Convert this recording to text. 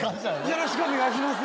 よろしくお願いします。